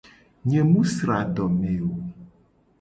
Nye mu sra adome o.